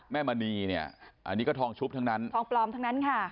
มณีเนี่ยอันนี้ก็ทองชุบทั้งนั้นทองปลอมทั้งนั้นค่ะ